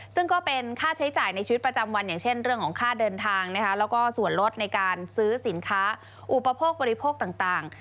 ซึ่งก็เป็นค่าใช้จ่ายในชีวิตประจำวันอย่างเช่นเรื่องของค่าเดินทางแล้วก็ส่วนลดในการซื้อสินค้าอุปโภคบริโภคต่าง